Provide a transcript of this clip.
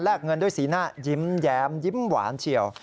เงินด้วยสีหน้ายิ้มแย้มยิ้มหวานเฉียว